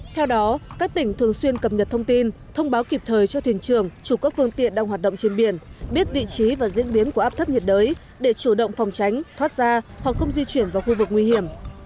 theo đó các tỉnh thường xuyên cập nhật thông tin thông báo kịp thời cho thuyền trường chủ các phương tiện đang hoạt động trên biển biết vị trí và diễn biến của áp thấp nhiệt đới để chủ động phòng tránh thoát ra hoặc không di chuyển vào khu vực nguy hiểm